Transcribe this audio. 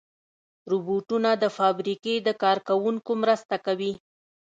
روبوټونه د فابریکې د کار کوونکو مرسته کوي.